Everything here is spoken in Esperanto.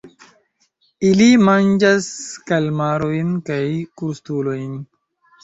Ili manĝas kalmarojn kaj krustulojn.